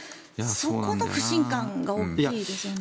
そこの不信感が大きいですよね。